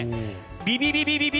ビビビビビ。